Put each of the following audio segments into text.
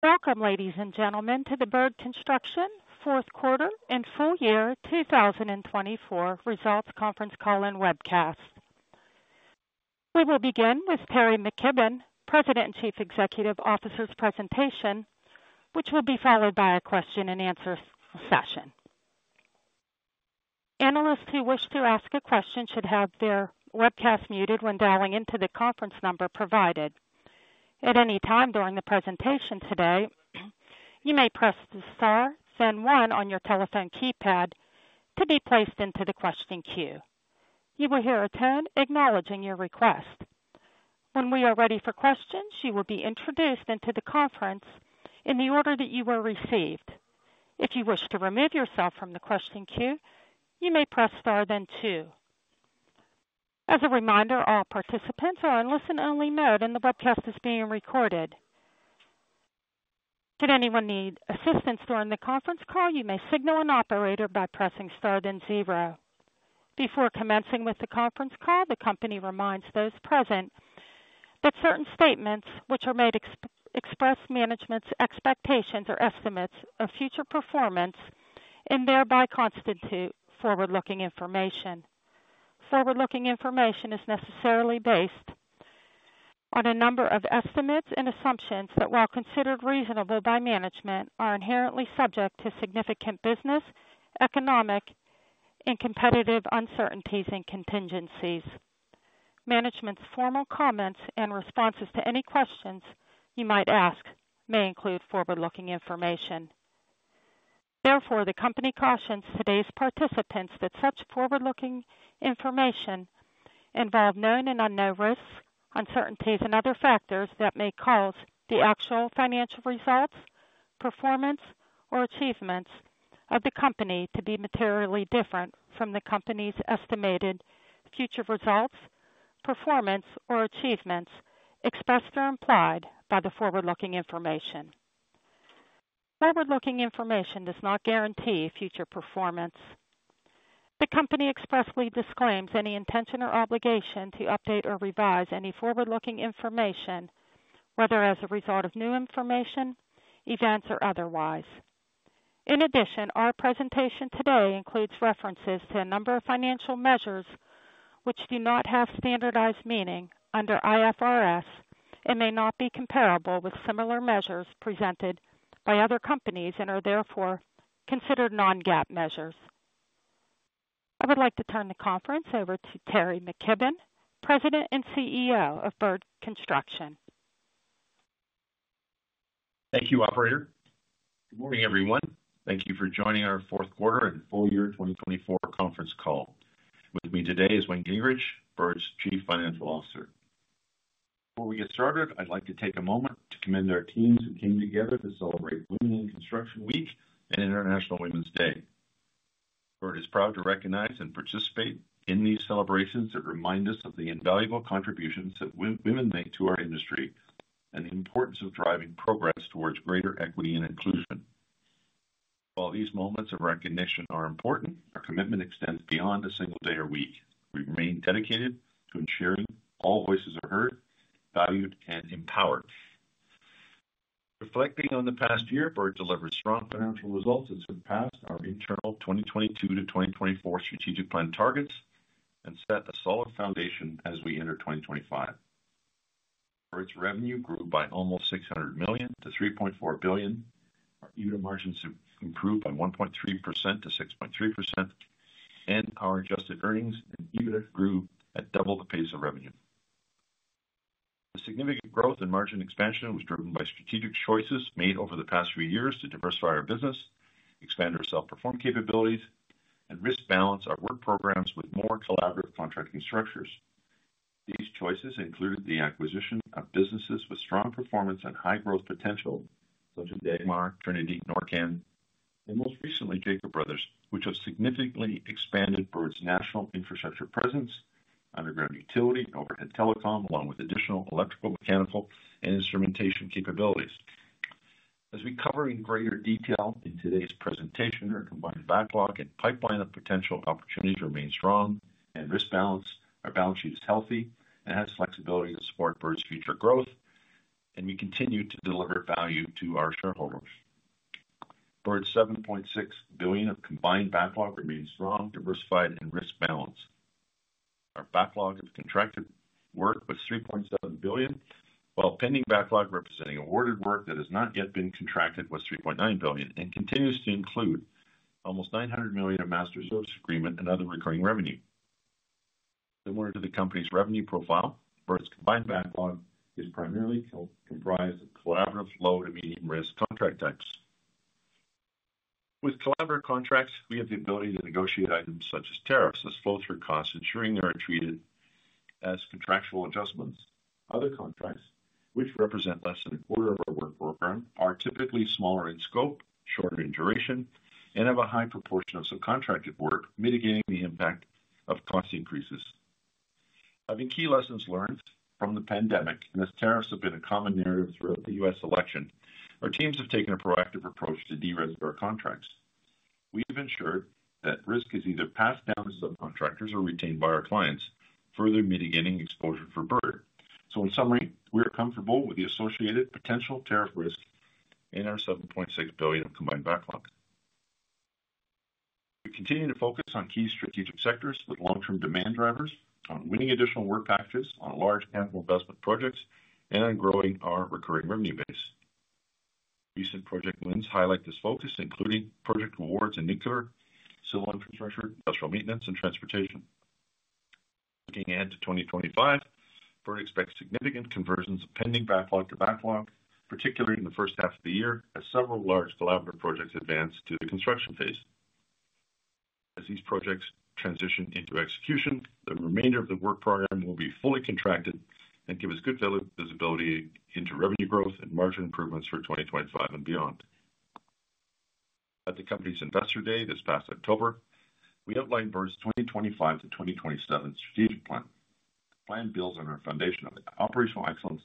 Welcome, ladies and gentlemen, to the Bird Construction Fourth Quarter and Full Year 2024 Results conference call and webcast. We will begin with Teri McKibbon, President and Chief Executive Officer's presentation, which will be followed by a question-and-answer session. Analysts who wish to ask a question should have their webcast muted when dialing into the conference number provided. At any time during the presentation today, you may press the star then one on your telephone keypad to be placed into the question queue. You will hear a tone acknowledging your request. When we are ready for questions, you will be introduced into the conference in the order that you were received. If you wish to remove yourself from the question queue, you may press star then two. As a reminder, all participants are on listen-only mode, and the webcast is being recorded. Should anyone need assistance during the conference call, you may signal an operator by pressing star then zero. Before commencing with the conference call, the company reminds those present that certain statements which are made express management's expectations or estimates of future performance and thereby constitute forward-looking information. Forward-looking information is necessarily based on a number of estimates and assumptions that, while considered reasonable by management, are inherently subject to significant business, economic, and competitive uncertainties and contingencies. Management's formal comments and responses to any questions you might ask may include forward-looking information. Therefore, the company cautions today's participants that such forward-looking information involves known and unknown risks, uncertainties, and other factors that may cause the actual financial results, performance, or achievements of the company to be materially different from the company's estimated future results, performance, or achievements expressed or implied by the forward-looking information. Forward-looking information does not guarantee future performance. The company expressly disclaims any intention or obligation to update or revise any forward-looking information, whether as a result of new information, events, or otherwise. In addition, our presentation today includes references to a number of financial measures which do not have standardized meaning under IFRS and may not be comparable with similar measures presented by other companies and are therefore considered non-GAAP measures. I would like to turn the conference over to Teri McKibbon, President and CEO of Bird Construction. Thank you, Operator. Good morning, everyone. Thank you for joining our Fourth Quarter and Full Year 2024 Conference Call. With me today is Wayne Gingrich, Bird's Chief Financial Officer. Before we get started, I'd like to take a moment to commend our teams who came together to celebrate Women in Construction Week and International Women's Day. Bird is proud to recognize and participate in these celebrations that remind us of the invaluable contributions that women make to our industry and the importance of driving progress towards greater equity and inclusion. While these moments of recognition are important, our commitment extends beyond a single day or week. We remain dedicated to ensuring all voices are heard, valued, and empowered. Reflecting on the past year, Bird delivered strong financial results that surpassed our internal 2022 to 2024 strategic plan targets and set a solid foundation as we enter 2025. Bird's revenue grew by almost 600 million to 3.4 billion. Our EBITDA margins improved by 1.3% to 6.3%, and our adjusted earnings and EBITDA grew at double the pace of revenue. The significant growth in margin expansion was driven by strategic choices made over the past few years to diversify our business, expand our self-perform capabilities, and risk-balance our work programs with more collaborative contracting structures. These choices included the acquisition of businesses with strong performance and high growth potential, such as Dagmar, Trinity, Norcan, and most recently, Jacob Brothers, which have significantly expanded Bird's national infrastructure presence, underground utility, and overhead telecom, along with additional electrical, mechanical, and instrumentation capabilities. As we cover in greater detail in today's presentation, our combined backlog and pipeline of potential opportunities remain strong and risk-balanced. Our balance sheet is healthy and has flexibility to support Bird's future growth, and we continue to deliver value to our shareholders. Bird's 7.6 billion of combined backlog remains strong, diversified, and risk-balanced. Our backlog of contracted work was 3.7 billion, while pending backlog representing awarded work that has not yet been contracted was 3.9 billion and continues to include almost 900 million of master service agreement and other recurring revenue. Similar to the company's revenue profile, Bird's combined backlog is primarily comprised of collaborative low to medium-risk contract types. With collaborative contracts, we have the ability to negotiate items such as tariffs that flow through costs, ensuring they are treated as contractual adjustments. Other contracts, which represent less than a quarter of our work program, are typically smaller in scope, shorter in duration, and have a high proportion of subcontracted work, mitigating the impact of cost increases. Having key lessons learned from the pandemic, and as tariffs have been a common narrative throughout the U.S. election, our teams have taken a proactive approach to de-risk our contracts. We have ensured that risk is either passed down to subcontractors or retained by our clients, further mitigating exposure for Bird. In summary, we are comfortable with the associated potential tariff risk in our 7.6 billion of combined backlog. We continue to focus on key strategic sectors with long-term demand drivers, on winning additional work packages on large capital investment projects, and on growing our recurring revenue base. Recent project wins highlight this focus, including project awards in nuclear, civil infrastructure, industrial maintenance, and transportation. Looking ahead to 2025, Bird expects significant conversions of pending backlog to backlog, particularly in the first half of the year, as several large collaborative projects advance to the construction phase. As these projects transition into execution, the remainder of the work program will be fully contracted and give us good visibility into revenue growth and margin improvements for 2025 and beyond. At the company's Investor Day this past October, we outlined Bird's 2025 to 2027 strategic plan. The plan builds on our foundation of operational excellence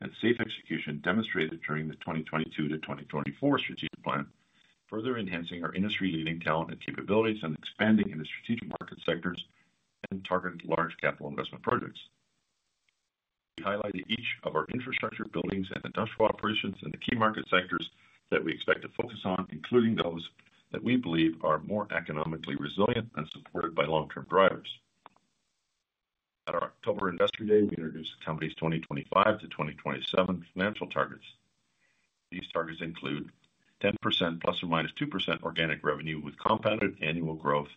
and safe execution demonstrated during the 2022 to 2024 strategic plan, further enhancing our industry-leading talent and capabilities and expanding into strategic market sectors and targeting large capital investment projects. We highlighted each of our infrastructure, buildings, and industrial operations in the key market sectors that we expect to focus on, including those that we believe are more economically resilient and supported by long-term drivers. At our October Investor Day, we introduced the company's 2025 to 2027 financial targets. These targets include 10% plus or minus 2% organic revenue with compounded annual growth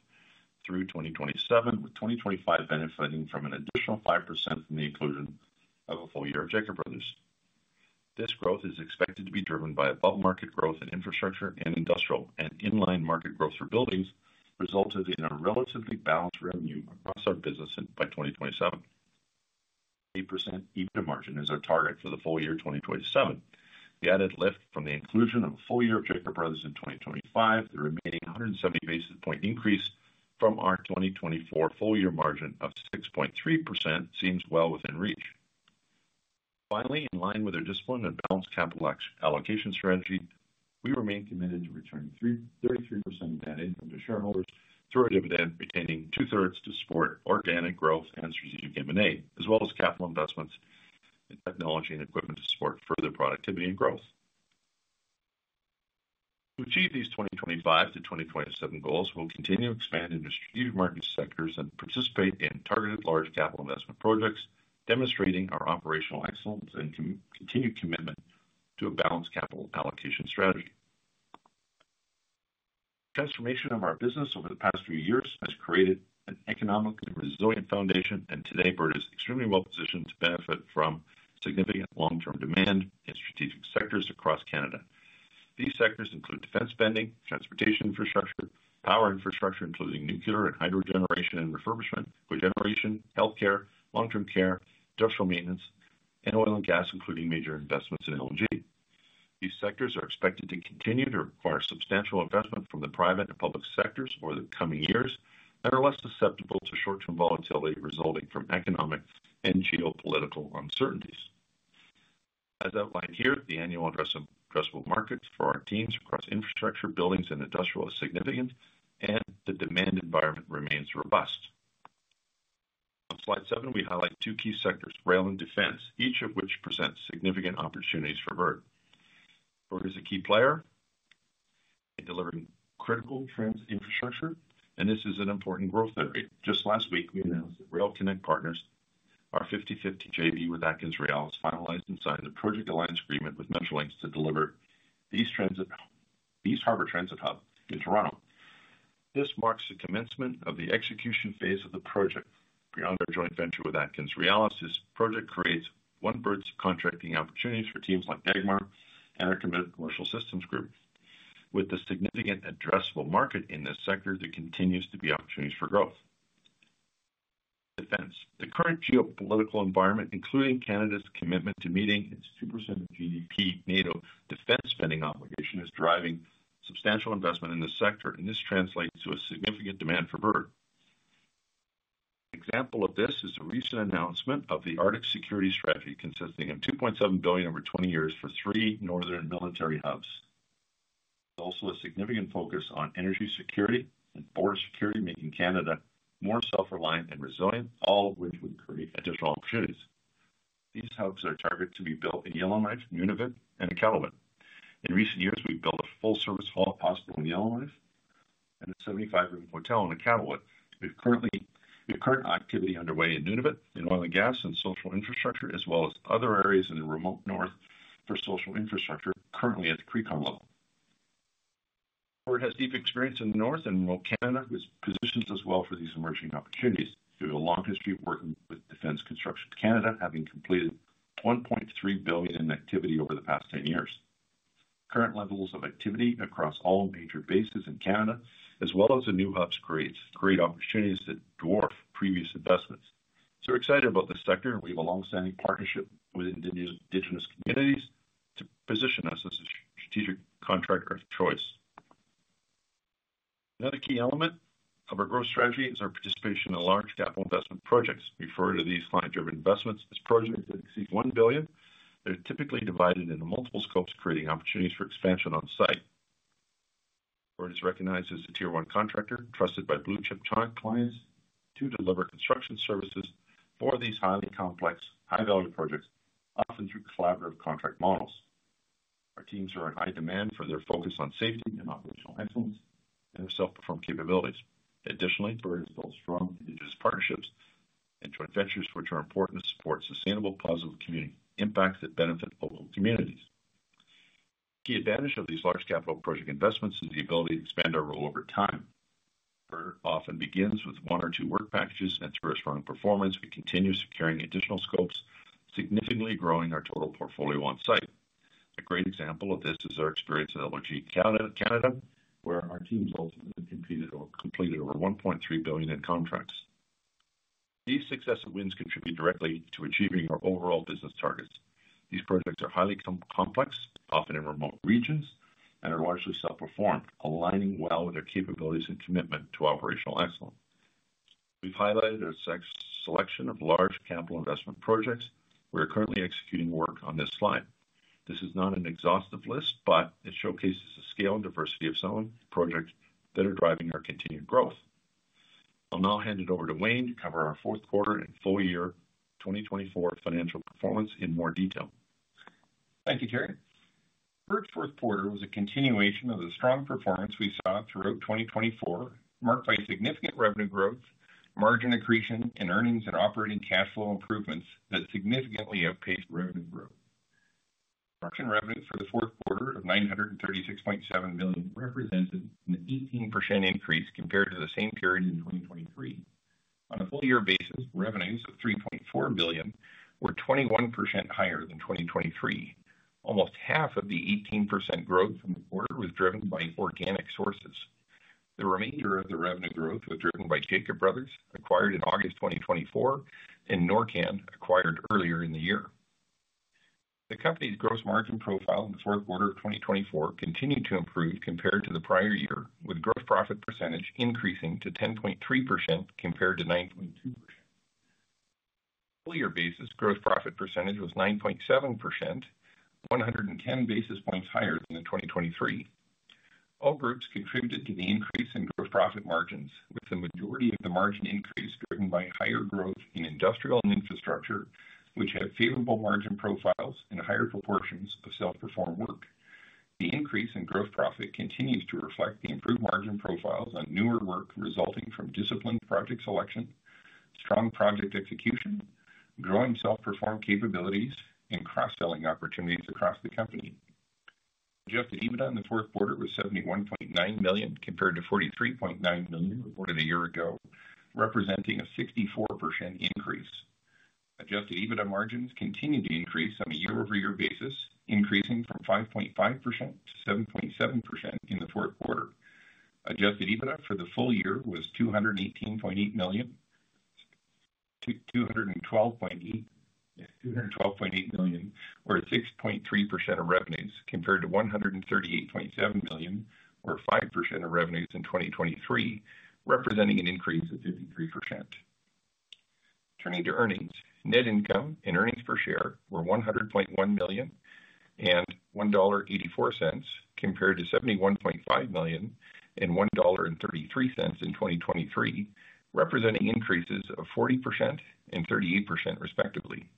through 2027, with 2025 benefiting from an additional 5% from the inclusion of a full year of Jacob Brothers. This growth is expected to be driven by above-market growth in infrastructure and industrial and inline market growth for buildings, resulting in a relatively balanced revenue across our business by 2027. An 8% EBITDA margin is our target for the full year 2027. The added lift from the inclusion of a full year of Jacob Brothers in 2025, the remaining 170 basis point increase from our 2024 full year margin of 6.3%, seems well within reach. Finally, in line with our discipline and balanced capital allocation strategy, we remain committed to returning 33% net income to shareholders through our dividend, retaining two-thirds to support organic growth and strategic M&A, as well as capital investments in technology and equipment to support further productivity and growth. To achieve these 2025 to 2027 goals, we'll continue to expand into strategic market sectors and participate in targeted large capital investment projects, demonstrating our operational excellence and continued commitment to a balanced capital allocation strategy. The transformation of our business over the past few years has created an economically resilient foundation, and today, Bird is extremely well positioned to benefit from significant long-term demand in strategic sectors across Canada. These sectors include defense spending, transportation infrastructure, power infrastructure, including nuclear and hydrogeneration and refurbishment, co-generation, healthcare, long-term care, industrial maintenance, and oil and gas, including major investments in LNG. These sectors are expected to continue to require substantial investment from the private and public sectors over the coming years and are less susceptible to short-term volatility resulting from economic and geopolitical uncertainties. As outlined here, the annual addressable markets for our teams across infrastructure, buildings, and industrial are significant, and the demand environment remains robust. On slide seven, we highlight two key sectors: rail and defense, each of which presents significant opportunities for Bird. Bird is a key player in delivering critical transit infrastructure, and this is an important growth area. Just last week, we announced that Rail Connect Partners, our 50/50 JV with AtkinsRéalis, finalized and signed a project alliance agreement with Metrolinx to deliver East Harbour Transit Hub in Toronto. This marks the commencement of the execution phase of the project. Beyond our joint venture with AtkinsRéalis, this project creates one-Bird subcontracting opportunities for teams like Dagmar and our committed commercial systems group. With the significant addressable market in this sector, there continues to be opportunities for growth. Defense, the current geopolitical environment, including Canada's commitment to meeting its 2% of GDP NATO defense spending obligation, is driving substantial investment in this sector, and this translates to a significant demand for Bird. An example of this is the recent announcement of the Arctic Security Strategy, consisting of 2.7 billion over 20 years for three northern military hubs. There is also a significant focus on energy security and border security, making Canada more self-reliant and resilient, all of which would create additional opportunities. These hubs are targeted to be built in Yellowknife, Nunavut, and in Iqaluit. In recent years, we've built a full-service hospital in Yellowknife and a 75-room hotel in Iqaluit. We have current activity underway in Nunavut, in oil and gas, and social infrastructure, as well as other areas in the remote north for social infrastructure, currently at the pre-con level. Bird has deep experience in the north and remote Canada, which positions us well for these emerging opportunities. We have a long history of working with Defence Construction Canada, having completed 1.3 billion in activity over the past 10 years. Current levels of activity across all major bases in Canada, as well as the new hubs, create great opportunities that dwarf previous investments. We are excited about this sector, and we have a longstanding partnership with Indigenous communities to position us as a strategic contractor of choice. Another key element of our growth strategy is our participation in large capital investment projects. We refer to these client-driven investments as projects that exceed 1 billion. They're typically divided into multiple scopes, creating opportunities for expansion on site. Bird is recognized as a tier-one contractor, trusted by blue chip clients to deliver construction services for these highly complex, high-value projects, often through collaborative contract models. Our teams are in high demand for their focus on safety and operational excellence and their self-perform capabilities. Additionally, Bird has built strong Indigenous partnerships and joint ventures, which are important to support sustainable, positive community impacts that benefit local communities. Key advantage of these large capital project investments is the ability to expand our role over time. Bird often begins with one or two work packages, and through our strong performance, we continue securing additional scopes, significantly growing our total portfolio on site. A great example of this is our experience at LNG Canada, where our teams ultimately completed over 1.3 billion in contracts. These successive wins contribute directly to achieving our overall business targets. These projects are highly complex, often in remote regions, and are largely self-perform, aligning well with our capabilities and commitment to operational excellence. We've highlighted our selection of large capital investment projects. We're currently executing work on this slide. This is not an exhaustive list, but it showcases the scale and diversity of some projects that are driving our continued growth. I'll now hand it over to Wayne to cover our fourth quarter and full year 2024 financial performance in more detail. Thank you, Teri. Bird's fourth quarter was a continuation of the strong performance we saw throughout 2024, marked by significant revenue growth, margin accretion, and earnings and operating cash flow improvements that significantly outpaced revenue growth. Construction revenues for the fourth quarter of 936.7 million represented an 18% increase compared to the same period in 2023. On a full-year basis, revenues of 3.4 billion were 21% higher than 2023. Almost half of the 18% growth from the quarter was driven by organic sources. The remainder of the revenue growth was driven by Jacob Brothers, acquired in August 2024, and Norcan, acquired earlier in the year. The company's gross margin profile in the fourth quarter of 2024 continued to improve compared to the prior year, with gross profit percentage increasing to 10.3% compared to 9.2%. On a full-year basis, gross profit percentage was 9.7%, 110 basis points higher than in 2023. All groups contributed to the increase in gross profit margins, with the majority of the margin increase driven by higher growth in industrial and infrastructure, which have favorable margin profiles and higher proportions of self-perform work. The increase in gross profit continues to reflect the improved margin profiles on newer work resulting from disciplined project selection, strong project execution, growing self-perform capabilities, and cross-selling opportunities across the company. Adjusted EBITDA in the fourth quarter was 71.9 million compared to 43.9 million reported a year ago, representing a 64% increase. Adjusted EBITDA margins continued to increase on a year-over-year basis, increasing from 5.5% to 7.7% in the fourth quarter. Adjusted EBITDA for the full year was 218.8 million, 212.8 million, or 6.3% of revenues, compared to 138.7 million, or 5% of revenues in 2023, representing an increase of 53%. Turning to earnings, net income and earnings per share were 100.1 million and 1.84 dollar, compared to 71.5 million and 1.33 dollar in 2023, representing increases of 40% and 38%, respectively.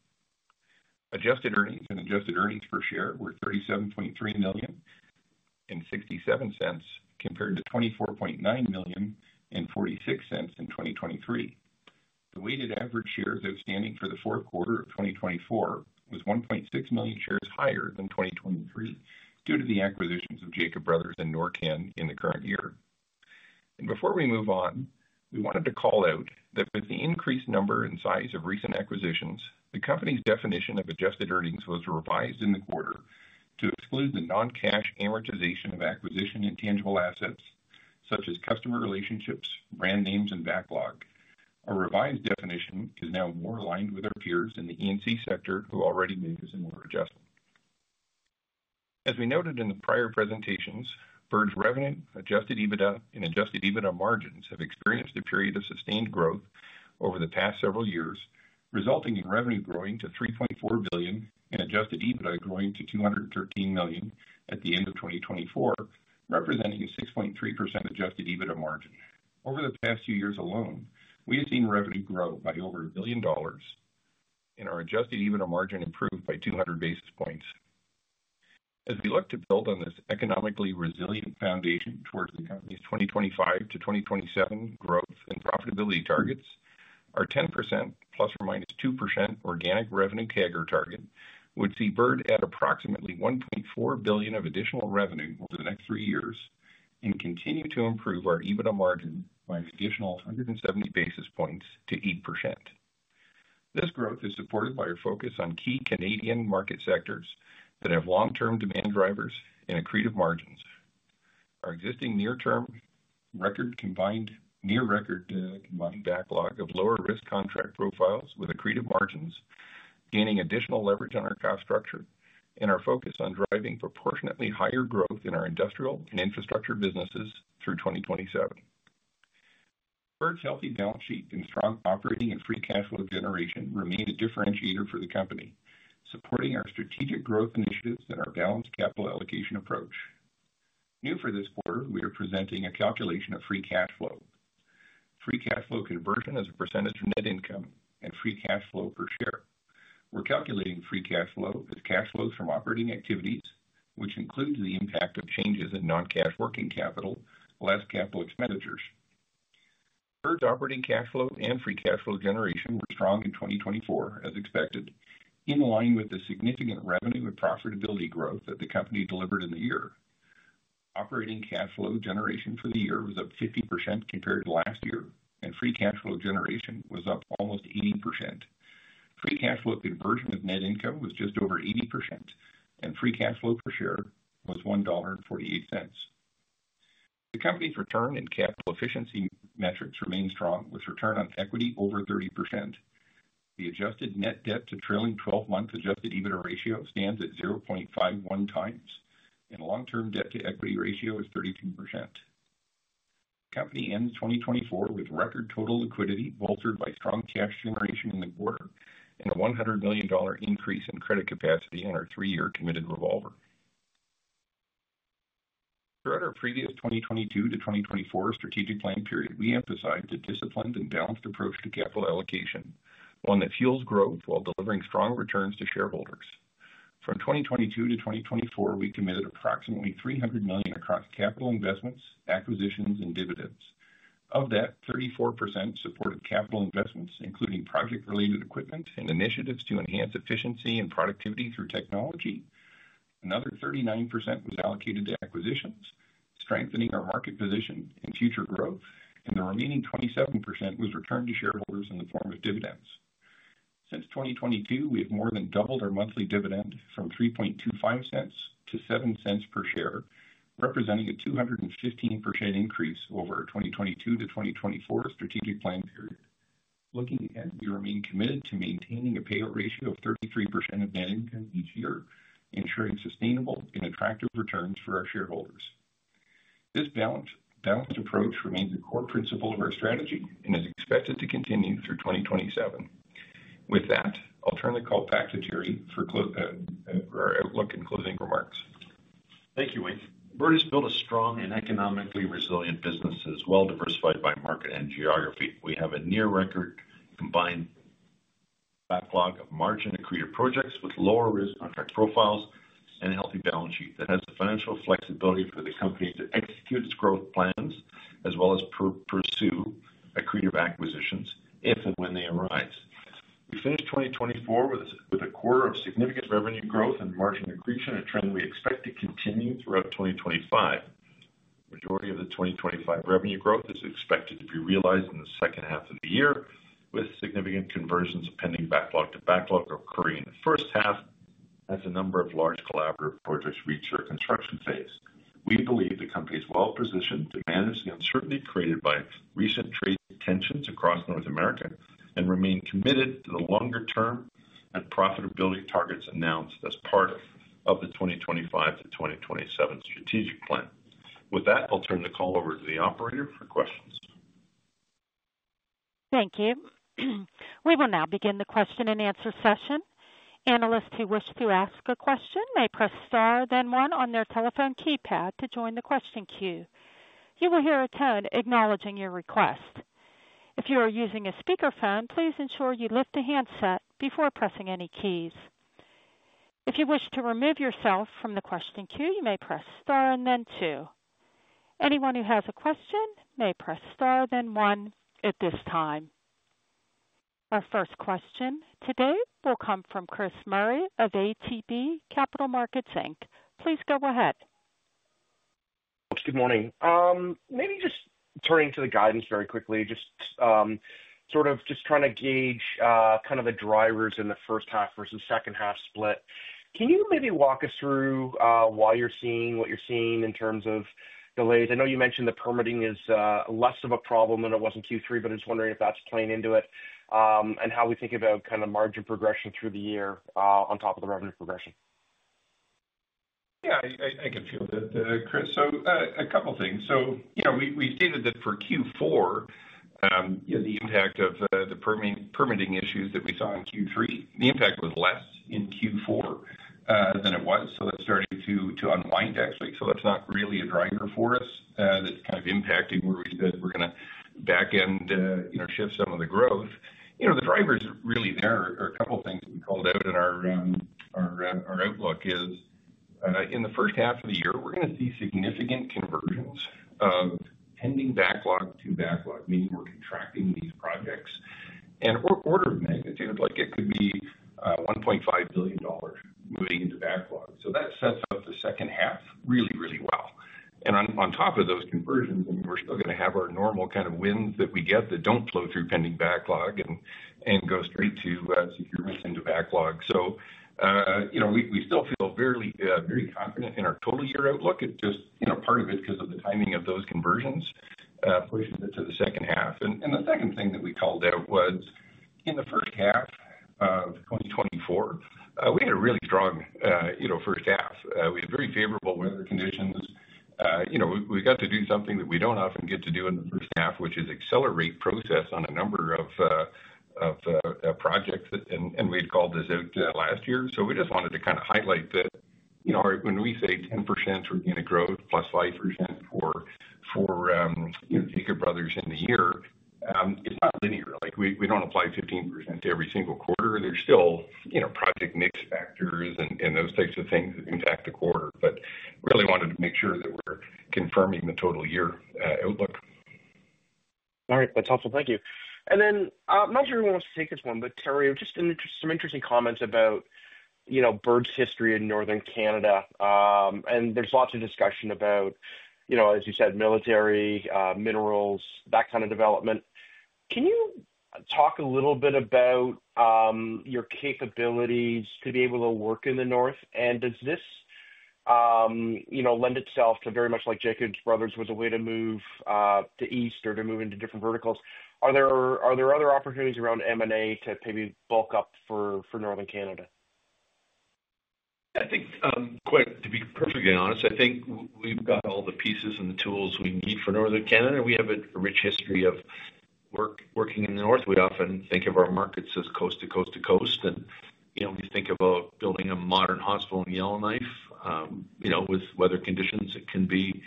Adjusted earnings and adjusted earnings per share were 37.3 million and 0.67, compared to 24.9 million and 0.46 in 2023. The weighted average shares outstanding for the fourth quarter of 2024 was 1.6 million shares higher than 2023 due to the acquisitions of Jacob Brothers and Norcan in the current year. Before we move on, we wanted to call out that with the increased number and size of recent acquisitions, the company's definition of adjusted earnings was revised in the quarter to exclude the non-cash amortization of acquisition intangible assets, such as customer relationships, brand names, and backlog. Our revised definition is now more aligned with our peers in the E&C sector, who already made this and were adjusted. As we noted in the prior presentations, Bird's revenue, adjusted EBITDA, and adjusted EBITDA margins have experienced a period of sustained growth over the past several years, resulting in revenue growing to 3.4 billion and adjusted EBITDA growing to 213 million at the end of 2024, representing a 6.3% adjusted EBITDA margin. Over the past few years alone, we have seen revenue grow by over a billion dollars, and our adjusted EBITDA margin improved by 200 basis points. As we look to build on this economically resilient foundation towards the company's 2025 to 2027 growth and profitability targets, our 10% plus or minus 2% organic revenue CAGR target would see Bird at approximately 1.4 billion of additional revenue over the next three years and continue to improve our EBITDA margin by an additional 170 basis points to 8%. This growth is supported by our focus on key Canadian market sectors that have long-term demand drivers and accretive margins. Our existing near-term record combined near-record combined backlog of lower-risk contract profiles with accretive margins gaining additional leverage on our cost structure and our focus on driving proportionately higher growth in our industrial and infrastructure businesses through 2027. Bird's healthy balance sheet and strong operating and free cash flow generation remain a differentiator for the company, supporting our strategic growth initiatives and our balanced capital allocation approach. New for this quarter, we are presenting a calculation of free cash flow. Free cash flow conversion is a percentage of net income and free cash flow per share. We're calculating free cash flow as cash flows from operating activities, which includes the impact of changes in non-cash working capital, less capital expenditures. Bird's operating cash flow and free cash flow generation were strong in 2024, as expected, in line with the significant revenue and profitability growth that the company delivered in the year. Operating cash flow generation for the year was up 50% compared to last year, and free cash flow generation was up almost 80%. Free cash flow conversion of net income was just over 80%, and free cash flow per share was 1.48 dollar. The company's return and capital efficiency metrics remain strong, with return on equity over 30%. The adjusted net debt to trailing 12-month adjusted EBITDA ratio stands at 0.51 times, and long-term debt to equity ratio is 32%. The company ends 2024 with record total liquidity bolstered by strong cash generation in the quarter and a 100 million dollar increase in credit capacity on our three-year committed revolver. Throughout our previous 2022 to 2024 strategic plan period, we emphasized a disciplined and balanced approach to capital allocation, one that fuels growth while delivering strong returns to shareholders. From 2022 to 2024, we committed approximately 300 million across capital investments, acquisitions, and dividends. Of that, 34% supported capital investments, including project-related equipment and initiatives to enhance efficiency and productivity through technology. Another 39% was allocated to acquisitions, strengthening our market position and future growth, and the remaining 27% was returned to shareholders in the form of dividends. Since 2022, we have more than doubled our monthly dividend from 0.0325 to 0.07 per share, representing a 215% increase over our 2022 to 2024 strategic plan period. Looking ahead, we remain committed to maintaining a payout ratio of 33% of net income each year, ensuring sustainable and attractive returns for our shareholders. This balanced approach remains a core principle of our strategy and is expected to continue through 2027. With that, I'll turn the call back to Teri for our outlook and closing remarks. Thank you, Wayne. Bird has built a strong and economically resilient business that is well diversified by market and geography. We have a near-record combined backlog of margin-accretive projects with lower-risk contract profiles and a healthy balance sheet that has the financial flexibility for the company to execute its growth plans as well as pursue accretive acquisitions if and when they arise. We finished 2024 with a quarter of significant revenue growth and margin accretion, a trend we expect to continue throughout 2025. The majority of the 2025 revenue growth is expected to be realized in the second half of the year, with significant conversions of pending backlog to backlog occurring in the first half as a number of large collaborative projects reach their construction phase. We believe the company is well positioned to manage the uncertainty created by recent trade tensions across North America and remain committed to the longer-term and profitability targets announced as part of the 2025 to 2027 strategic plan. With that, I'll turn the call over to the operator for questions. Thank you. We will now begin the question and answer session. Analysts who wish to ask a question may press star then one on their telephone keypad to join the question queue. You will hear a tone acknowledging your request. If you are using a speakerphone, please ensure you lift the handset before pressing any keys. If you wish to remove yourself from the question queue, you may press star and then two. Anyone who has a question may press star then one at this time. Our first question today will come from Chris Murray of ATB Capital Markets. Please go ahead. Good morning. Maybe just turning to the guidance very quickly, just sort of just trying to gauge kind of the drivers in the first half versus second half split. Can you maybe walk us through why you're seeing what you're seeing in terms of delays? I know you mentioned the permitting is less of a problem than it was in Q3, but I'm just wondering if that's playing into it and how we think about kind of margin progression through the year on top of the revenue progression. Yeah, I can feel that, Chris. A couple of things. We stated that for Q4, the impact of the permitting issues that we saw in Q3, the impact was less in Q4 than it was. That is starting to unwind, actually. That is not really a driver for us that is kind of impacting where we said we are going to back-end shift some of the growth. The drivers really, there are a couple of things that we called out in our outlook, is in the first half of the year, we are going to see significant conversions of pending backlog to backlog, meaning we are contracting these projects in order of magnitude. It could be 1.5 billion dollars moving into backlog. That sets up the second half really, really well. On top of those conversions, I mean, we're still going to have our normal kind of wins that we get that don't flow through pending backlog and go straight to securities into backlog. We still feel very confident in our total year outlook. It's just part of it because of the timing of those conversions pushing it to the second half. The second thing that we called out was in the first half of 2024, we had a really strong first half. We had very favorable weather conditions. We got to do something that we don't often get to do in the first half, which is accelerate process on a number of projects. We had called this out last year. We just wanted to kind of highlight that when we say 10% for unit growth plus 5% for Jacob Brothers in the year, it's not linear. We don't apply 15% to every single quarter. There are still project mix factors and those types of things that impact the quarter. Really wanted to make sure that we're confirming the total year outlook. All right. That's helpful. Thank you. I'm not sure who wants to take this one, but Teri, just some interesting comments about Bird's history in Northern Canada. There is lots of discussion about, as you said, military, minerals, that kind of development. Can you talk a little bit about your capabilities to be able to work in the north? Does this lend itself to very much like Jacob Brothers was a way to move to east or to move into different verticals? Are there other opportunities around M&A to maybe bulk up for Northern Canada? I think, to be perfectly honest, I think we've got all the pieces and the tools we need for Northern Canada. We have a rich history of working in the north. We often think of our markets as coast to coast to coast. We think about building a modern hospital in Yellowknife with weather conditions that can be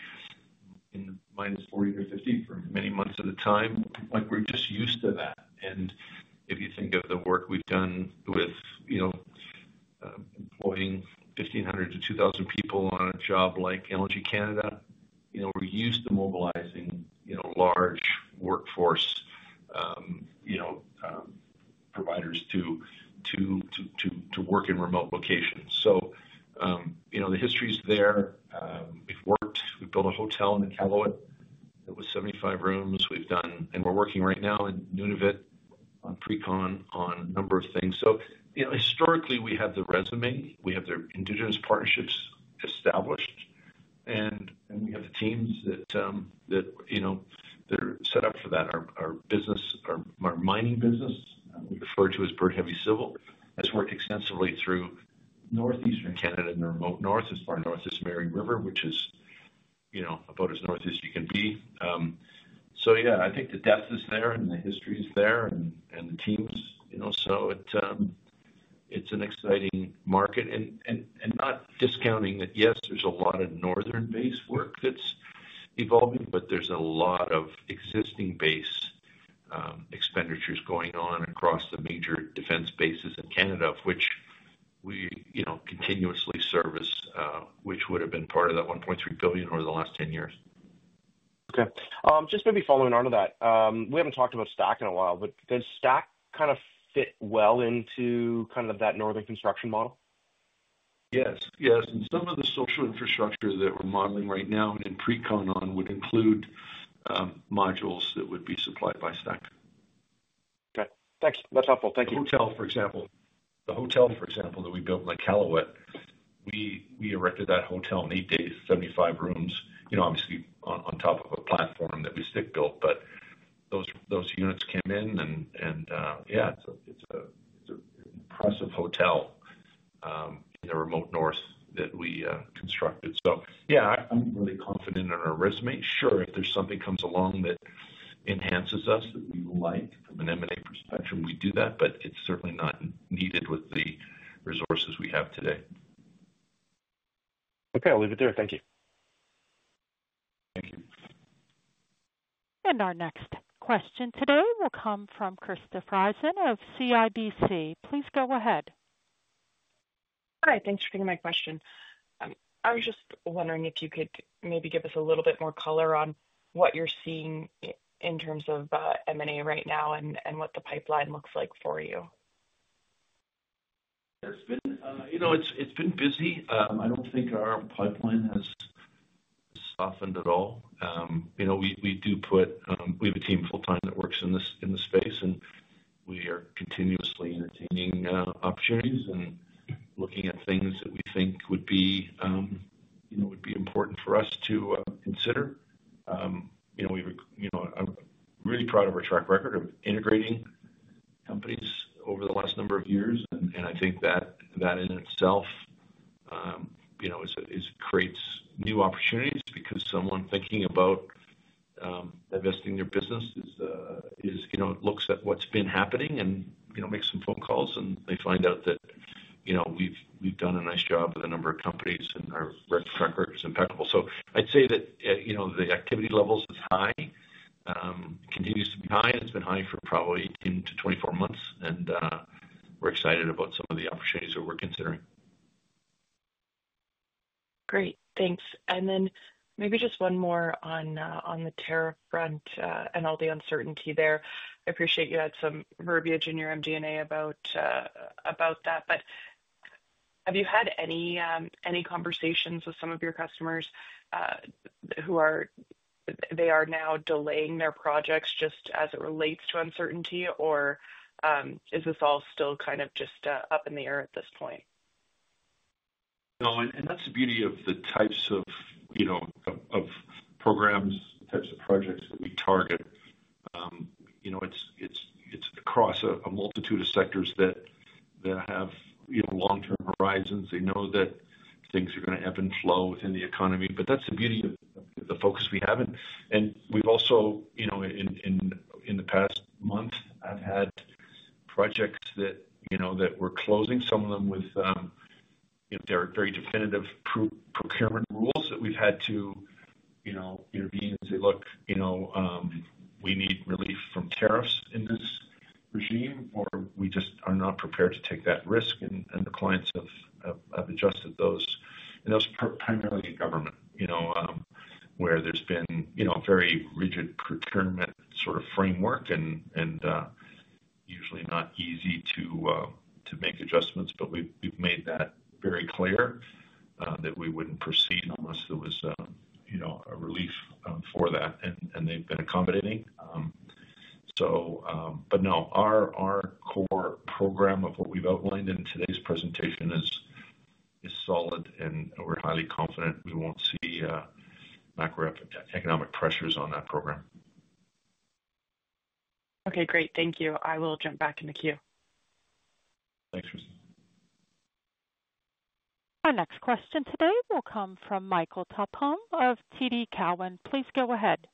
in the minus 40 or 50 degrees Celsius t for many months at a time. We're just used to that. If you think of the work we've done with employing 1,500 to 2,000 people on a job like LNG Canada, we're used to mobilizing large workforce providers to work in remote locations. The history is there. We've worked. We built a hotel in Iqaluit. It was 75 rooms. We're working right now in Nunavut on pre-con on a number of things. Historically, we have the resume. We have the Indigenous partnerships established. We have the teams that are set up for that. Our business, our mining business, we refer to as Bird Heavy Civil, has worked extensively through Northeastern Canada in the remote north as far north as Mary River, which is about as north as you can be. I think the depth is there and the history is there and the teams. It's an exciting market. Not discounting that, yes, there's a lot of northern-based work that's evolving, but there's a lot of existing base expenditures going on across the major defense bases in Canada, which we continuously service, which would have been part of that 1.3 billion over the last 10 years. Okay. Just maybe following on to that, we have not talked about Stack in a while, but does Stack kind of fit well into kind of that northern construction model? Yes. Yes. And some of the social infrastructure that we are modeling right now and in pre-con on would include modules that would be supplied by Stack. Okay. Thanks. That is helpful. Thank you. The hotel, for example. The hotel, for example, that we built in Iqaluit, we erected that hotel in eight days, 75 rooms, obviously on top of a platform that we stick built. But those units came in, and yeah, it is an impressive hotel in the remote north that we constructed. Yeah, I am really confident in our resume. Sure, if there's something that comes along that enhances us, that we would like from an M&A perspective, we do that, but it's certainly not needed with the resources we have today. Okay. I'll leave it there. Thank you. Thank you. Our next question today will come from Krista Friesen of CIBC. Please go ahead. Hi. Thanks for taking my question. I was just wondering if you could maybe give us a little bit more color on what you're seeing in terms of M&A right now and what the pipeline looks like for you. It's been busy. I don't think our pipeline has softened at all. We do put, we have a team full-time that works in the space, and we are continuously entertaining opportunities and looking at things that we think would be important for us to consider. We're really proud of our track record of integrating companies over the last number of years. I think that in itself creates new opportunities because someone thinking about investing in their business looks at what's been happening and makes some phone calls, and they find out that we've done a nice job with a number of companies, and our track record is impeccable. I'd say that the activity levels is high, continues to be high, and it's been high for probably 18 to 24 months. We're excited about some of the opportunities that we're considering. Great. Thanks. Maybe just one more on the tariff front and all the uncertainty there. I appreciate you had some verbiage in your MD&A about that. Have you had any conversations with some of your customers who are now delaying their projects just as it relates to uncertainty, or is this all still kind of just up in the air at this point? No. That is the beauty of the types of programs, types of projects that we target. It is across a multitude of sectors that have long-term horizons. They know that things are going to ebb and flow within the economy. That is the beauty of the focus we have. We have also, in the past month, had projects that we are closing some of them with. They are very definitive procurement rules that we have had to intervene and say, "Look, we need relief from tariffs in this regime," or, "We just are not prepared to take that risk." The clients have adjusted those. That's primarily government, where there's been a very rigid procurement sort of framework and usually not easy to make adjustments. We made that very clear that we wouldn't proceed unless there was a relief for that. They've been accommodating. No, our core program of what we've outlined in today's presentation is solid, and we're highly confident we won't see macroeconomic pressures on that program. Okay. Great. Thank you. I will jump back in the queue. Thanks, Krista. Our next question today will come from Michael Tupholme of TD Cowen. Please go ahead.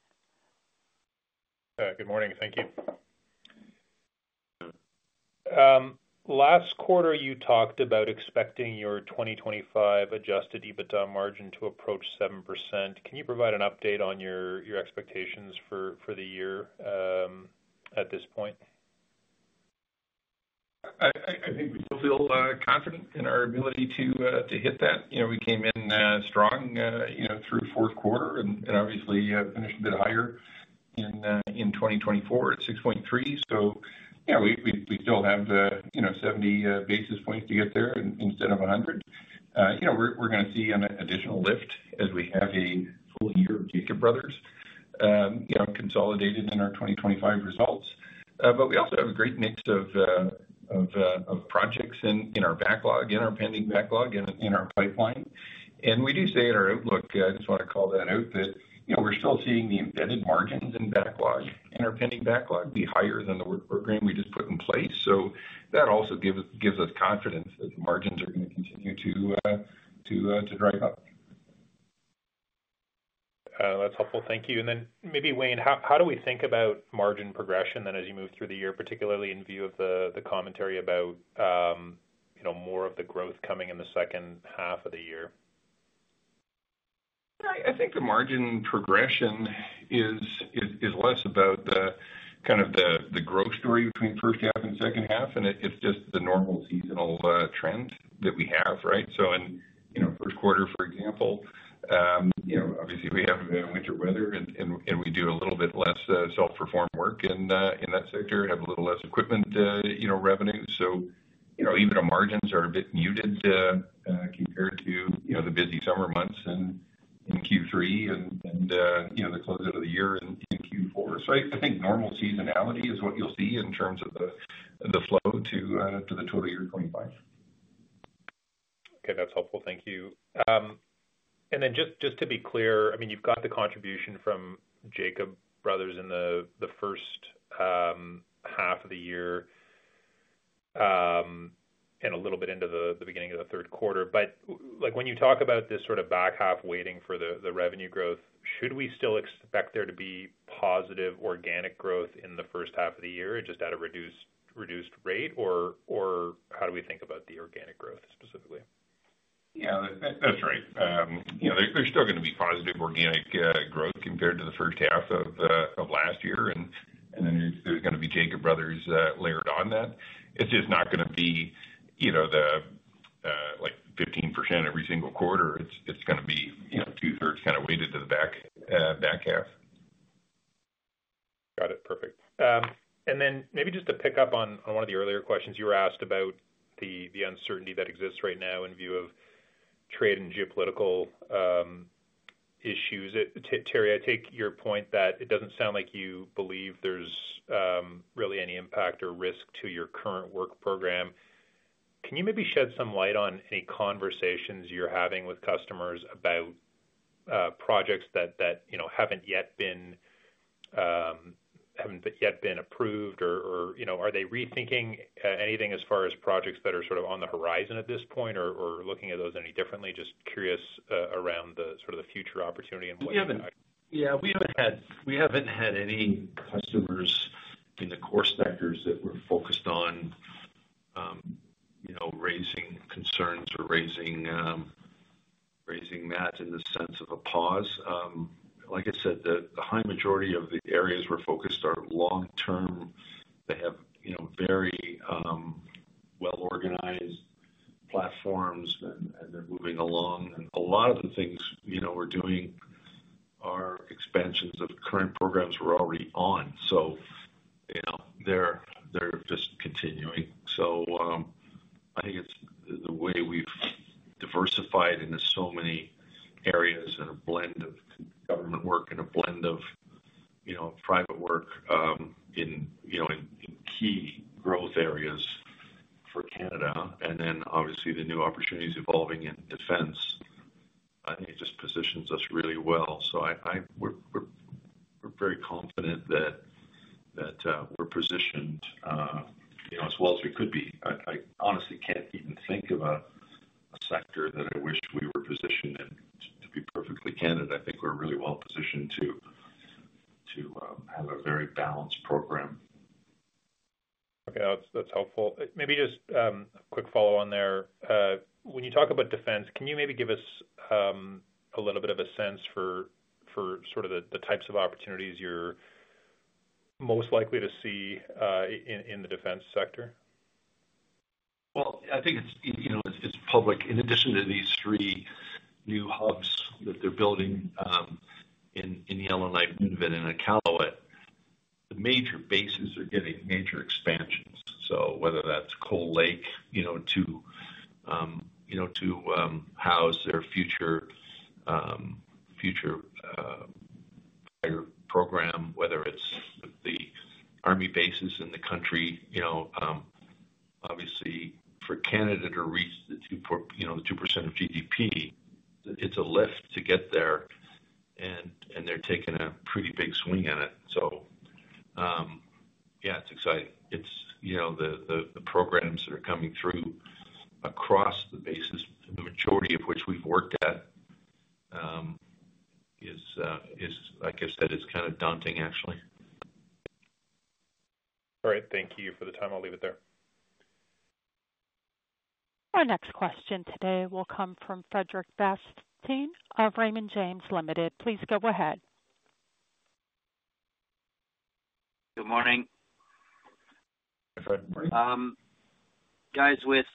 Good morning. Thank you. Last quarter, you talked about expecting your 2025 adjusted EBITDA margin to approach 7%. Can you provide an update on your expectations for the year at this point? I think we feel confident in our ability to hit that. We came in strong through fourth quarter and obviously finished a bit higher in 2024 at 6.3. Yeah, we still have 70 basis points to get there instead of 100. We are going to see an additional lift as we have a full year of Jacob Brothers consolidated in our 2025 results. We also have a great mix of projects in our backlog, in our pending backlog, and in our pipeline. We do say in our outlook, I just want to call that out, that we are still seeing the embedded margins in backlog and in our pending backlog be higher than the work program we just put in place. That also gives us confidence that the margins are going to continue to drive up. That's helpful. Thank you. Maybe, Wayne, how do we think about margin progression then as you move through the year, particularly in view of the commentary about more of the growth coming in the second half of the year? I think the margin progression is less about kind of the growth story between first half and second half. It is just the normal seasonal trend that we have, right? In first quarter, for example, obviously we have winter weather, and we do a little bit less self-perform work in that sector, have a little less equipment revenue. Even our margins are a bit muted compared to the busy summer months in Q3 and the closeout of the year in Q4. I think normal seasonality is what you'll see in terms of the flow to the total year 2025. Okay. That's helpful. Thank you. Just to be clear, I mean, you've got the contribution from Jacob Brothers in the first half of the year and a little bit into the beginning of the third quarter. When you talk about this sort of back half waiting for the revenue growth, should we still expect there to be positive organic growth in the first half of the year just at a reduced rate, or how do we think about the organic growth specifically? Yeah, that's right. There's still going to be positive organic growth compared to the first half of last year. Then there's going to be Jacob Brothers layered on that. It's just not going to be the 15% every single quarter. It's going to be two-thirds kind of weighted to the back half. Got it. Perfect. Maybe just to pick up on one of the earlier questions you were asked about the uncertainty that exists right now in view of trade and geopolitical issues. Teri, I take your point that it does not sound like you believe there is really any impact or risk to your current work program. Can you maybe shed some light on any conversations you are having with customers about projects that have not yet been approved, or are they rethinking anything as far as projects that are sort of on the horizon at this point or looking at those any differently? Just curious around the sort of the future opportunity and what you are doing. Yeah. We have not had any customers in the core sectors that we are focused on raising concerns or raising that in the sense of a pause. Like I said, the high majority of the areas we are focused on are long-term. They have very well-organized platforms, and they're moving along. A lot of the things we're doing are expansions of current programs we're already on. They're just continuing. I think it's the way we've diversified into so many areas and a blend of government work and a blend of private work in key growth areas for Canada. Obviously the new opportunities evolving in defense, I think it just positions us really well. We're very confident that we're positioned as well as we could be. I honestly can't even think of a sector that I wish we were positioned in. To be perfectly candid, I think we're really well positioned to have a very balanced program. Okay. That's helpful. Maybe just a quick follow-on there. When you talk about defense, can you maybe give us a little bit of a sense for sort of the types of opportunities you're most likely to see in the defense sector? I think it's public. In addition to these three new hubs that they're building in Yellowknife, Nunavut, and in Iqaluit, the major bases are getting major expansions. Whether that's Cold Lake to house their future fighter program, or the army bases in the country. Obviously, for Canada to reach the 2% of GDP, it's a lift to get there, and they're taking a pretty big swing at it. It's exciting. The programs that are coming through across the bases, the majority of which we've worked at, like I said, it's kind of daunting, actually. All right. Thank you for the time. I'll leave it there. Our next question today will come from Frederic Bastien of Raymond James Ltd. Please go ahead. Good morning. Hi, Fred. Morning. Guys, with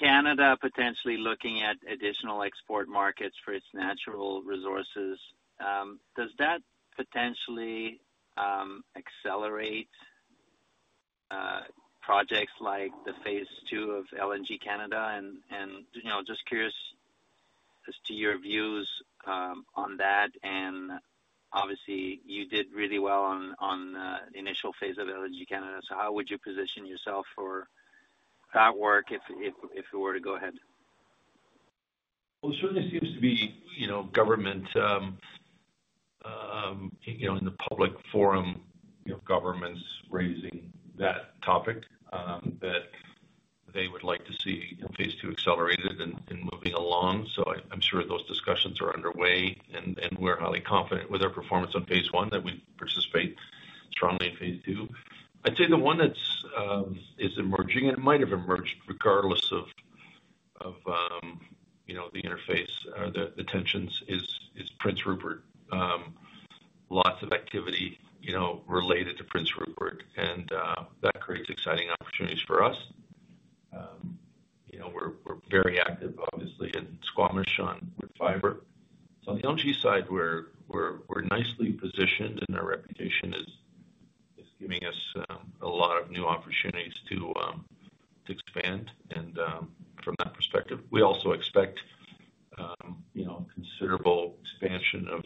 Canada potentially looking at additional export markets for its natural resources, does that potentially accelerate projects like the phase two of LNG Canada? Just curious as to your views on that. Obviously, you did really well on the initial phase of LNG Canada. How would you position yourself for that work if it were to go ahead? Certainly, it seems to be government in the public forum, governments raising that topic that they would like to see phase two accelerated and moving along. I am sure those discussions are underway, and we are highly confident with our performance on phase one that we participate strongly in phase two. I'd say the one that is emerging, and it might have emerged regardless of the interface or the tensions, is Prince Rupert. Lots of activity related to Prince Rupert, and that creates exciting opportunities for us. We're very active, obviously, in Squamish on Woodfibre. On the LNG side, we're nicely positioned, and our reputation is giving us a lot of new opportunities to expand from that perspective. We also expect considerable expansion of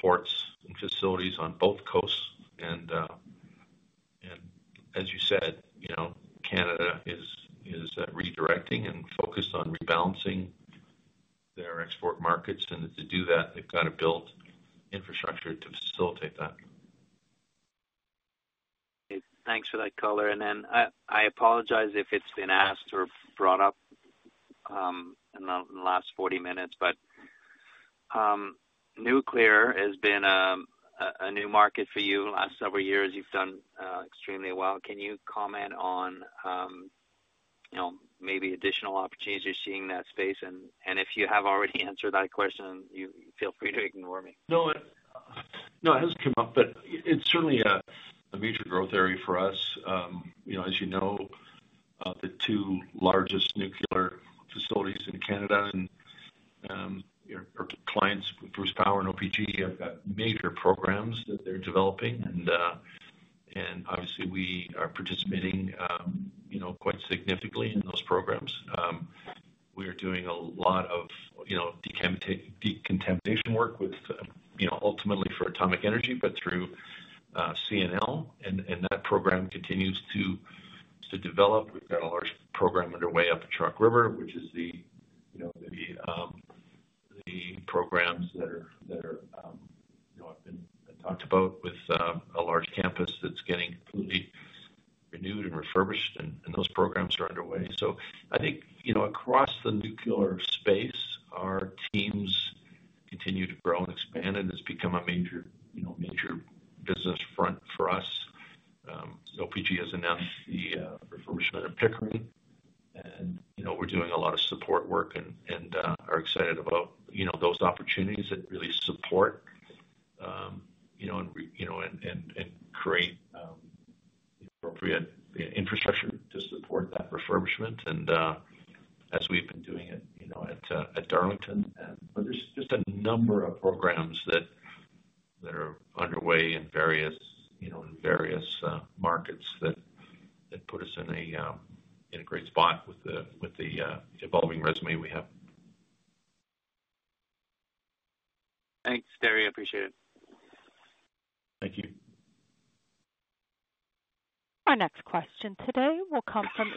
ports and facilities on both coasts. As you said, Canada is redirecting and focused on rebalancing their export markets. To do that, they've got to build infrastructure to facilitate that. Thanks for that color. I apologize if it's been asked or brought up in the last 40 minutes, but nuclear has been a new market for you in the last several years. You've done extremely well. Can you comment on maybe additional opportunities you're seeing in that space? And if you have already answered that question, feel free to ignore me. No, it has come up, but it's certainly a major growth area for us. As you know, the two largest nuclear facilities in Canada and our clients, Bruce Power and OPG, have got major programs that they're developing. Obviously, we are participating quite significantly in those programs. We are doing a lot of decontamination work ultimately for Atomic Energy of Canada Limited, but through CNL. That program continues to develop. We've got a large program underway up at Chalk River, which is the programs that have been talked about with a large campus that's getting completely renewed and refurbished, and those programs are underway. I think across the nuclear space, our teams continue to grow and expand. It has become a major business front for us. OPG has announced the refurbishment of Pickering, and we're doing a lot of support work and are excited about those opportunities that really support and create appropriate infrastructure to support that refurbishment. As we've been doing at Darlington, there's just a number of programs that are underway in various markets that put us in a great spot with the evolving resume we have. Thanks, Teri. Appreciate it. Thank you. Our next question today will come from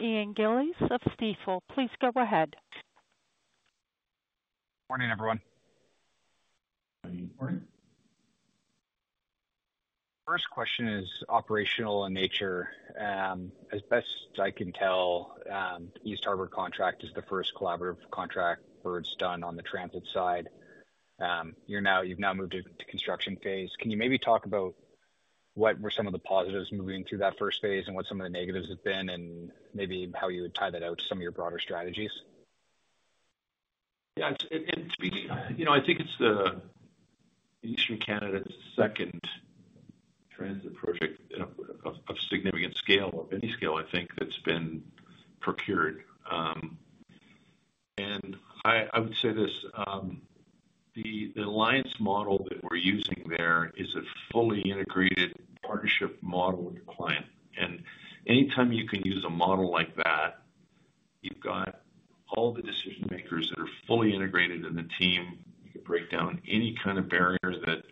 Ian Gillies of Stifel. Please go ahead. Morning, everyone. Good morning. First question is operational in nature. As best I can tell, East Harbour contract is the first collaborative contract where it's done on the transit side. You've now moved to construction phase. Can you maybe talk about what were some of the positives moving through that first phase and what some of the negatives have been and maybe how you would tie that out to some of your broader strategies? Yeah. To be honest, I think it's the Eastern Canada's second transit project of significant scale, of any scale, I think, that's been procured. I would say this: the alliance model that we're using there is a fully integrated partnership model with the client. Anytime you can use a model like that, you've got all the decision-makers that are fully integrated in the team. You can break down any kind of barrier that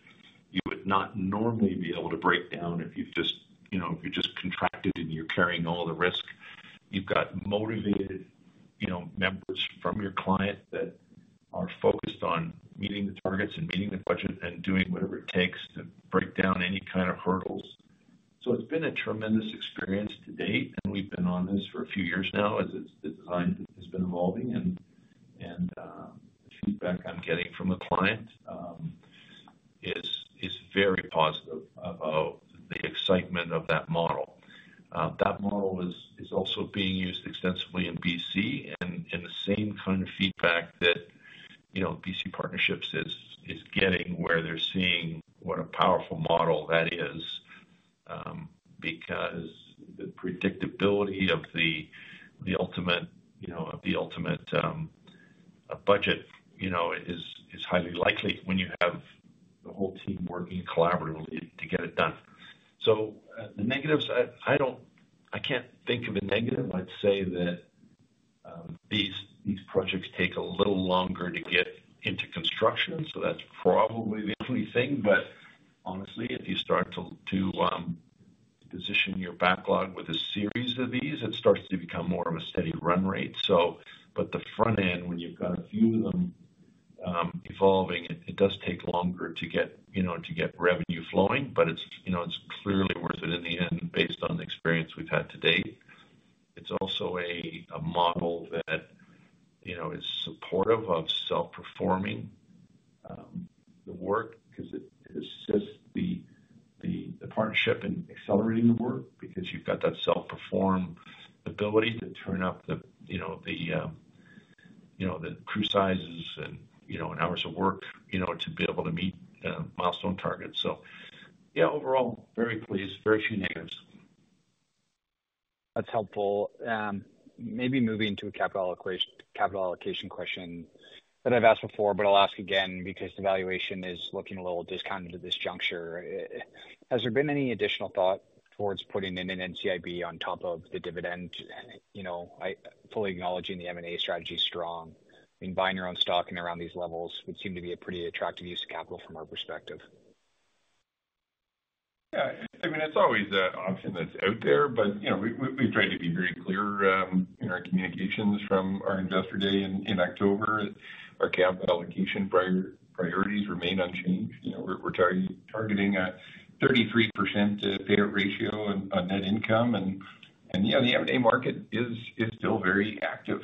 you would not normally be able to break down if you just contracted and you're carrying all the risk. You've got motivated members from your client that are focused on meeting the targets and meeting the budget and doing whatever it takes to break down any kind of hurdles. It has been a tremendous experience to date, and we've been on this for a few years now as the design has been evolving. The feedback I'm getting from the client is very positive about the excitement of that model. That model is also being used extensively in BC and in the same kind of feedback that BC Partnerships is getting where they're seeing what a powerful model that is because the predictability of the ultimate budget is highly likely when you have the whole team working collaboratively to get it done. The negatives, I can't think of a negative. I'd say that these projects take a little longer to get into construction. That's probably the only thing. Honestly, if you start to position your backlog with a series of these, it starts to become more of a steady run rate. The front end, when you've got a few of them evolving, does take longer to get revenue flowing, but it's clearly worth it in the end based on the experience we've had to date. It's also a model that is supportive of self-performing the work because it assists the partnership in accelerating the work because you've got that self-perform ability to turn up the crew sizes and hours of work to be able to meet milestone targets. Yeah, overall, very pleased. Very few negatives. That's helpful. Maybe moving to a capital allocation question that I've asked before, but I'll ask again because the valuation is looking a little discounted at this juncture. Has there been any additional thought towards putting in an NCIB on top of the dividend? Fully acknowledging the M&A strategy is strong. I mean, buying your own stock in around these levels would seem to be a pretty attractive use of capital from our perspective. Yeah. I mean, it's always an option that's out there, but we've tried to be very clear in our communications from our investor day in October. Our capital allocation priorities remain unchanged. We're targeting a 33% payout ratio on net income. Yeah, the M&A market is still very active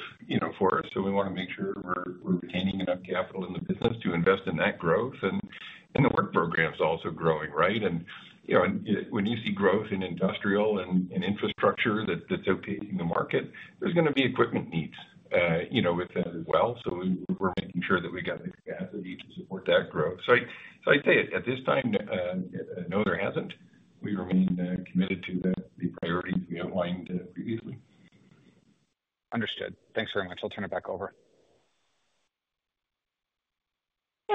for us. We want to make sure we're retaining enough capital in the business to invest in that growth. The work program is also growing, right? When you see growth in industrial and infrastructure that's outpacing the market, there's going to be equipment needs within as well. We're making sure that we've got the capacity to support that growth. I'd say at this time, no, there hasn't. We remain committed to the priorities we outlined previously. Understood. Thanks very much. I'll turn it back over.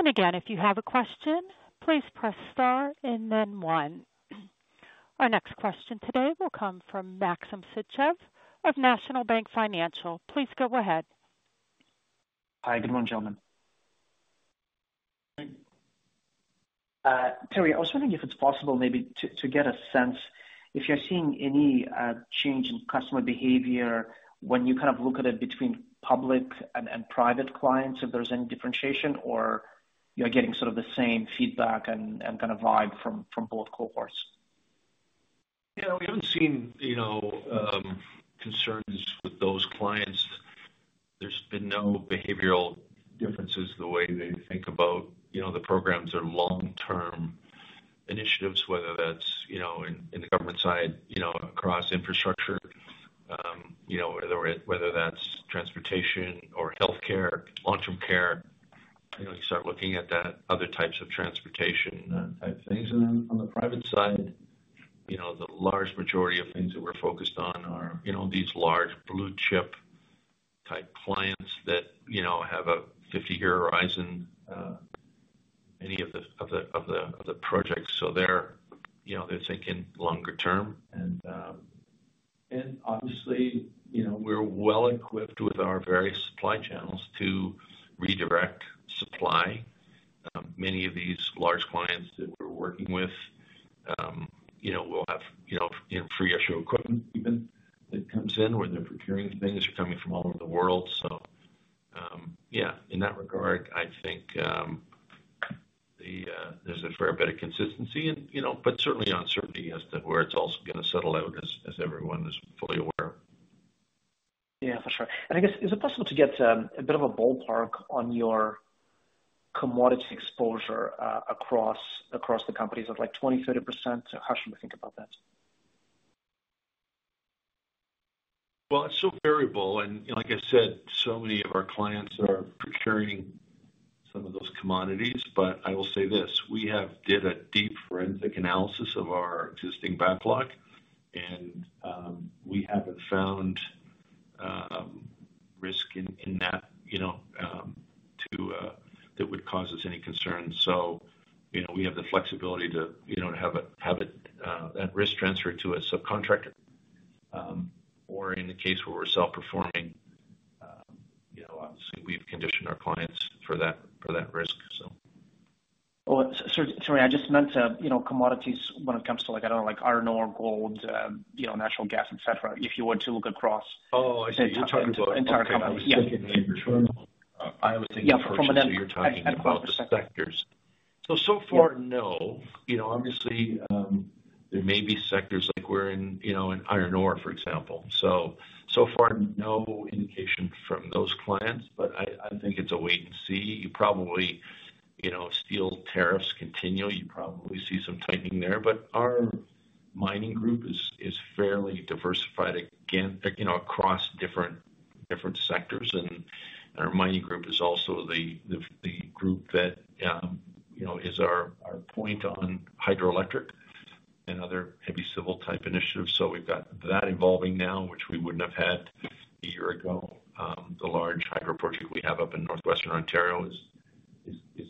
Again, if you have a question, please press star and then one. Our next question today will come from Maxim Sytchev of National Bank Financial. Please go ahead. Hi. Good morning, gentlemen. Good morning. Teri, I was wondering if it's possible maybe to get a sense if you're seeing any change in customer behavior when you kind of look at it between public and private clients, if there's any differentiation or you're getting sort of the same feedback and kind of vibe from both cohorts. Yeah. We haven't seen concerns with those clients. There's been no behavioral differences the way they think about the programs or long-term initiatives, whether that's in the government side across infrastructure, whether that's transportation or healthcare, long-term care. You start looking at that, other types of transportation type things. On the private side, the large majority of things that we're focused on are these large blue chip type clients that have a 50-year horizon, many of the projects. They're thinking longer term. Obviously, we're well equipped with our various supply channels to redirect supply. Many of these large clients that we're working with will have free-issue equipment even that comes in where they're procuring things that are coming from all over the world. In that regard, I think there's a fair bit of consistency, but certainly uncertainty as to where it's also going to settle out, as everyone is fully aware. Yeah, for sure. I guess, is it possible to get a bit of a ballpark on your commodity exposure across the companies of like 20%-30%? How should we think about that? It is so variable. Like I said, so many of our clients are procuring some of those commodities. I will say this: we have done a deep forensic analysis of our existing backlog, and we have not found risk in that that would cause us any concern. We have the flexibility to have that risk transferred to a subcontractor. In the case where we are self-performing, obviously, we have conditioned our clients for that risk. Sorry, I just meant commodities when it comes to, I do not know, like iron ore, gold, natural gas, etc., if you were to look across. I see what you are talking about. Entire companies. Yeah. I was thinking for sure you're talking across sectors. So far, no. Obviously, there may be sectors like we're in iron ore, for example. So far, no indication from those clients, but I think it's a wait and see. You probably see steel tariffs continue. You probably see some tightening there. Our mining group is fairly diversified across different sectors. Our mining group is also the group that is our point on hydroelectric and other heavy civil type initiatives. We've got that evolving now, which we wouldn't have had a year ago. The large hydro project we have up in northwestern Ontario is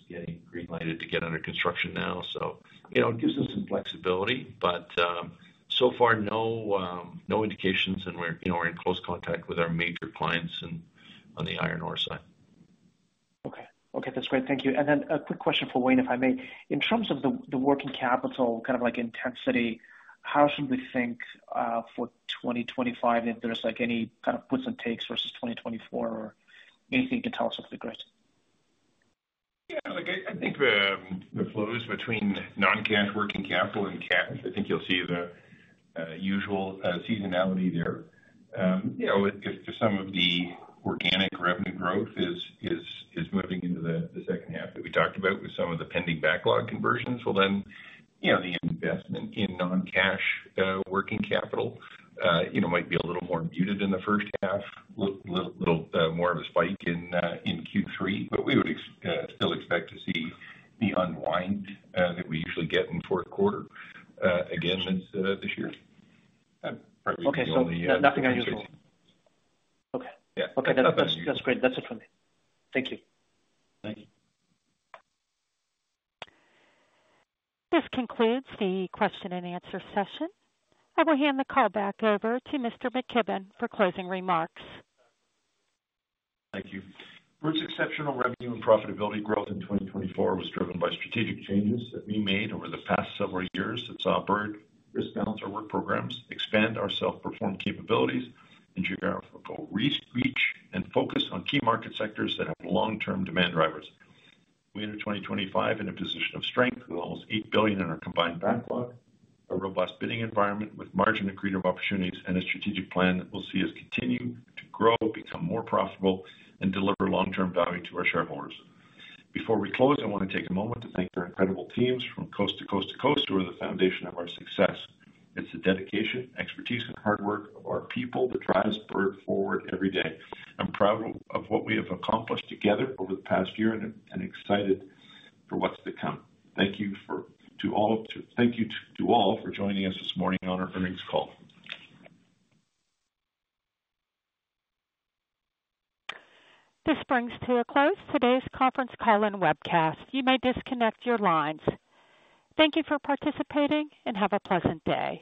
getting greenlighted to get under construction now. It gives us some flexibility. So far, no indications. We're in close contact with our major clients on the iron ore side. Okay. Okay. That's great. Thank you. A quick question for Wayne, if I may. In terms of the working capital kind of intensity, how should we think for 2025? If there's any kind of puts and takes versus 2024 or anything you can tell us off the grid? Yeah. I think the flows between non-cash working capital and cash, I think you'll see the usual seasonality there. If some of the organic revenue growth is moving into the second half that we talked about with some of the pending backlog conversions, then the investment in non-cash working capital might be a little more muted in the first half, a little more of a spike in Q3. We would still expect to see the unwind that we usually get in the fourth quarter again this year. That's probably the only- Okay. Nothing unusual. Okay. Yeah. That's great. That's it for me. Thank you. Thank you. This concludes the question-and-answer session. I will hand the call back over to Mr. McKibbon for closing remarks. Thank you. Bird's exceptional revenue and profitability growth in 2024 was driven by strategic changes that we made over the past several years that saw Bird risk balance our work programs expand our self-perform capabilities, and geographical reach and focus on key market sectors that have long-term demand drivers. We enter 2025 in a position of strength with almost 8 billion in our combined backlog, a robust bidding environment with margin-accretive opportunities, and a strategic plan that will see us continue to grow, become more profitable, and deliver long-term value to our shareholders. Before we close, I want to take a moment to thank our incredible teams from coast to coast to coast who are the foundation of our success. It's the dedication, expertise, and hard work of our people that drives Bird forward every day. I'm proud of what we have accomplished together over the past year and excited for what's to come. Thank you to all for joining us this morning on our earnings call. This brings to a close today's conference call and webcast. You may disconnect your lines. Thank you for participating and have a pleasant day.